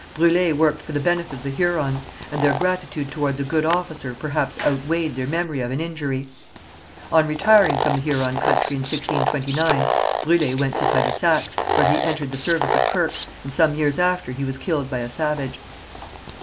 Brûlé worked for the benefit of the Hurons, and their gratitude towards a good officer perhaps outweighed their memory of an injury. On retiring from the Huron country in 1629, Brûlé went to Tadousac, where he entered the service of Kirke, and some years after he was killed by a savage.